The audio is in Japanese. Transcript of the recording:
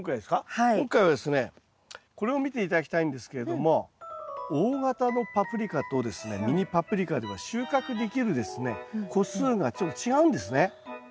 今回はですねこれを見て頂きたいんですけれども大型のパプリカとですねミニパプリカでは収穫できるですね個数がちょっと違うんですね。